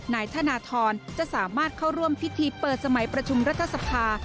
นายธนทรจะสามารถเข้าร่วมพิธีเปิดสมัยประชุมรัฐสภา